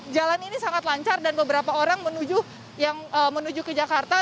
jalan ini sangat lancar dan beberapa orang yang menuju ke jakarta